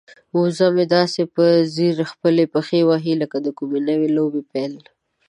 وزه مې داسې په ځیر خپلې پښې وهي لکه د کومې نوې لوبې پیل.